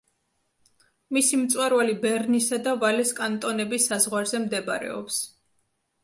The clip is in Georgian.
მისი მწვერვალი ბერნისა და ვალეს კანტონების საზღვარზე მდებარეობს.